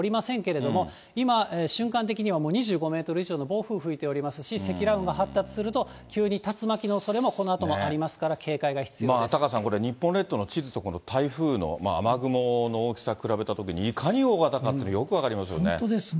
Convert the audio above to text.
ども、今、瞬間的には、もう２５メートル以上の暴風吹いてますし、積乱雲が発達すると、急に竜巻のおそれもこのあとありますかタカさん、日本列島の地図と台風の雨雲の大きさ比べたときに、いかに大型かっていうのがよく分本当ですね。